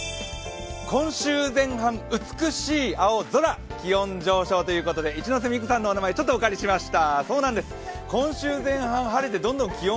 今週前半美しい青空気温上昇ということで、一ノ瀬美空さんのお名前をちょっとお借りしました。